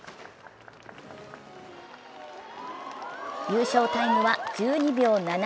優勝タイムは１２秒７３。